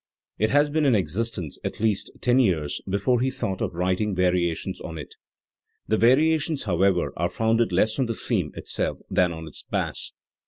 It had been in existence at least ten years before he thought of writing variations on it, The variations, however, are founded less on the theme itself than on its bass.